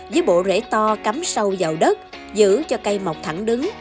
với bộ rễ to cắm sâu vào đất giữ cho cây mọc thẳng đứng